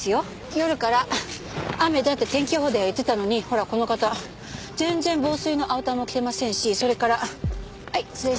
夜から雨だって天気予報では言ってたのにほらこの方全然防水のアウターも着てませんしそれからはい失礼します。